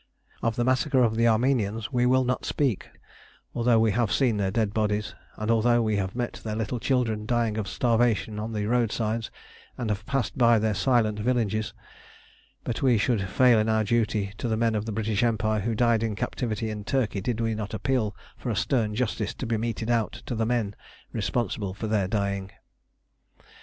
Of the massacre of Armenians we will not speak, although we have seen their dead bodies, and although we have met their little children dying of starvation on the roadsides, and have passed by their silent villages; but we should fail in our duty to the men of the British Empire who died in captivity in Turkey did we not appeal for a stern justice to be meted out to the men responsible for their dying.